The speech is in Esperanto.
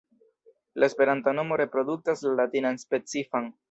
La esperanta nomo reproduktas la latinan specifan.